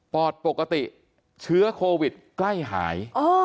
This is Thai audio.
อดปกติเชื้อโควิดใกล้หาย